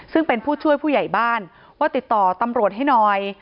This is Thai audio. ซึ่งเป็นผู้ช่วยผู้ใหญ่บ้านว่าติดต่อตำรวจให้หน่อย